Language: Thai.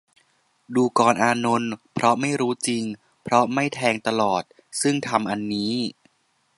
ดูกรอานนท์ เพราะไม่รู้จริง เพราะไม่แทงตลอด ซึ่งธรรมอันนี้